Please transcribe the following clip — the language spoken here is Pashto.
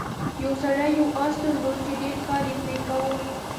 یو سړي یو اس درلود چې ډیر کار یې پرې کاوه.